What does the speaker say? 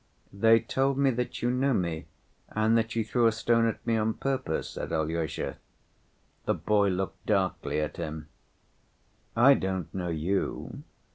"They told me that you know me, and that you threw a stone at me on purpose," said Alyosha. The boy looked darkly at him. "I don't know you.